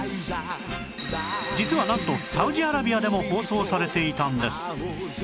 実はなんとサウジアラビアでも放送されていたんです